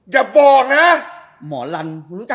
อย่าบอกนะ